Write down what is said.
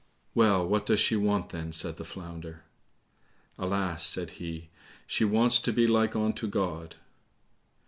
"Well, what does she want, then?" said the Flounder. "Alas," said he, "she wants to be like unto God."